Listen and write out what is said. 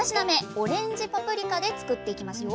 オレンジパプリカで作っていきますよ